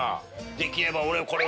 できれば俺これ。